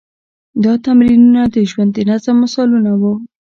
دا تمرینونه د ژوند د نظم مثالونه وو.